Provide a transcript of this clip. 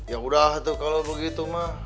ya sudah kalau begitu ma